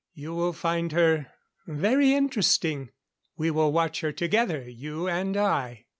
You will find her very interesting. We will watch her together, you and I."